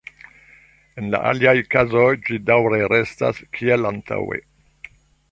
En la aliaj kazoj ĝi daŭre restas kiel antaŭe.